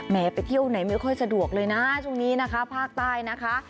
ไปเที่ยวไหนไม่ค่อยสะดวกเลยนะช่วงนี้นะคะภาคใต้นะคะ